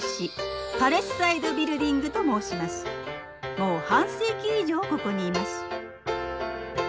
もう半世紀以上ここにいます。